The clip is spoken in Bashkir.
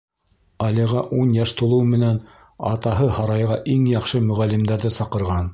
Алиға ун йәш тулыу менән атаһы һарайға иң яҡшы мөғәллимдәрҙе саҡырған.